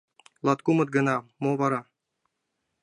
— Латкумыт гына, мо вара?